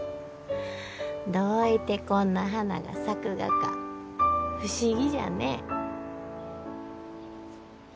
どういてこんな花が咲くがか不思議じゃね。